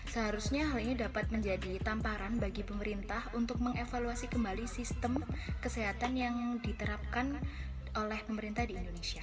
seharusnya hal ini dapat menjadi tamparan bagi pemerintah untuk mengevaluasi kembali sistem kesehatan yang diterapkan oleh pemerintah di indonesia